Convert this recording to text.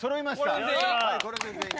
これで全員？